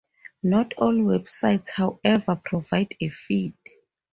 Not all websites, however, provide a feed.